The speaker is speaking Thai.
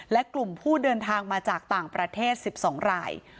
และกลุ่มผู้เดินทางมาจากต่างประเทศ๑๒ราย